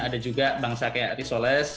ada juga bangsa kayak risoles